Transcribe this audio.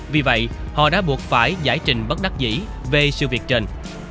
vì vậy họ đã buộc phải giải trình bất đắc dĩ về sự việc trên